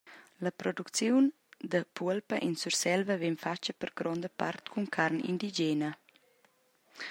La producziun da puolpa en Surselva vegn fatga per gronda part cun carn indigena.